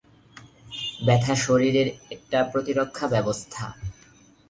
ব্যথা শরীরের একটা প্রতিরক্ষা ব্যবস্থা।